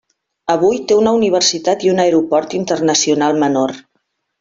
Avui té una universitat i un aeroport internacional menor.